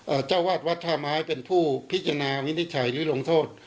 เจ้าวาดวัดท่าไม้เป็นผู้พิจารณาวินิจฉัยหรือลงโทษ